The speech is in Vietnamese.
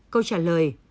câu trả lời